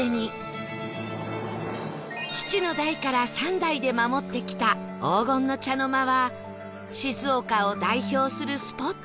父の代から三代で守ってきた黄金の茶の間は静岡を代表するスポットになっていました